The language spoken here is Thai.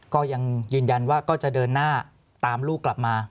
ก็ยังยืนยันว่าก็จะเดินหน้าตามลูกกลับมา